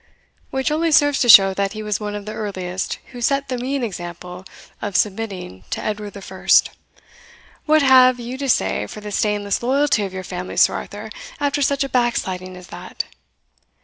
"Which only serves to show that he was one of the earliest who set the mean example of submitting to Edward I. What have, you to say for the stainless loyalty of your family, Sir Arthur, after such a backsliding as that?"